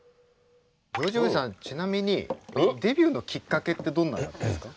ジョージおじさんちなみにデビューのきっかけってどんなんなんですか？